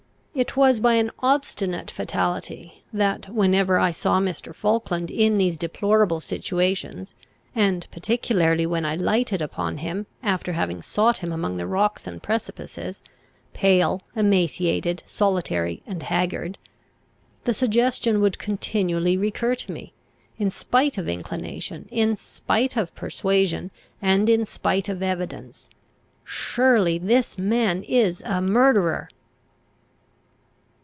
It was by an obstinate fatality that, whenever I saw Mr. Falkland in these deplorable situations, and particularly when I lighted upon him after having sought him among the rocks and precipices, pale, emaciated, solitary, and haggard, the suggestion would continually recur to me, in spite of inclination, in spite of persuasion, and in spite of evidence, Surely this man is a murderer!